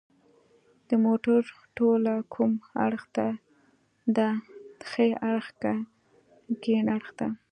د موټر توله کوم اړخ ته ده ښي اړخ که کیڼ اړخ ته